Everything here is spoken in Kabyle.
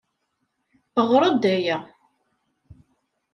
Ɣeṛ-d aya!